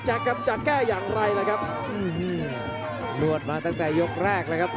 ครับจะแก้อย่างไรล่ะครับนวดมาตั้งแต่ยกแรกเลยครับ